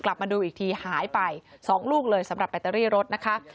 มาดูอีกทีหายไป๒ลูกเลยสำหรับแบตเตอรี่รถนะคะ